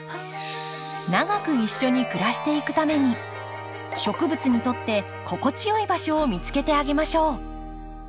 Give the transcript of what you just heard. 長く一緒に暮らしていくために植物にとって心地よい場所を見つけてあげましょう。